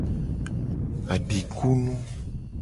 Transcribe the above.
Adikunu.